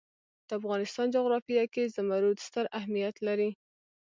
د افغانستان جغرافیه کې زمرد ستر اهمیت لري.